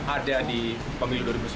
ada di pemilu dua ribu sembilan belas